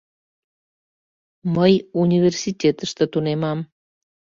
— Мый университетыште тунемам.